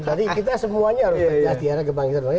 jadi kita semuanya harus berhati hati